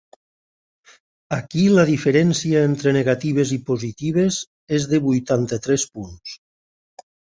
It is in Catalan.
Aquí la diferència entre negatives i positives és de vuitanta-tres punts.